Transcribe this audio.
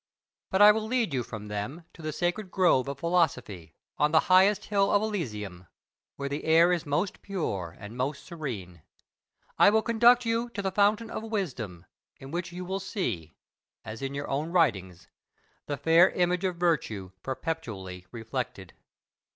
But I will lead you from them to the sacred grove of philosophy, on the highest hill of Elysium, where the air is most pure and most serene. I will conduct you to the fountain of wisdom, in which you will see, as in your own writings, the fair image of virtue perpetually reflected.